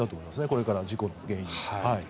これから事故の原因で。